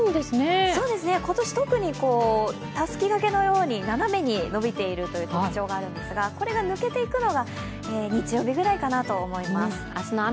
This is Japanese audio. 今年特にたすき掛けのように斜めに伸びているという特徴があるんですがこれが抜けていくのが日曜日くらいかなと思います。